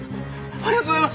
ありがとうございます！